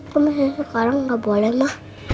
kalo misalnya sekarang ga boleh ma